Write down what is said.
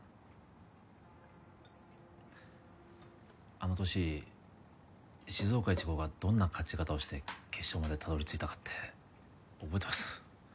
あの年静岡一高がどんな勝ち方をして決勝までたどり着いたかって覚えてます？